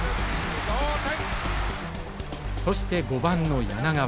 そして５番の柳川。